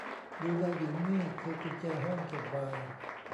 ดู นายหญิง นี่คือกุญแจห้องเก็บไวน์